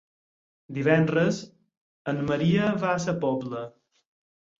Divendres en Maria va a Sa Pobla.